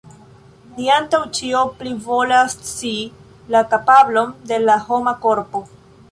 Ni antaŭ ĉio plivolas scii la kapablon de la homa korpo.